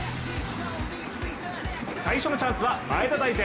最初のチャンスは前田大然。